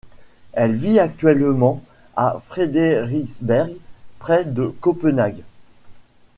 Elle vit actuellement à Frederiksberg près de Copenhague.